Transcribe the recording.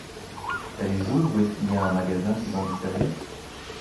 Savez-vous où est-ce qu'il y a un magasin qui vend des serviettes ?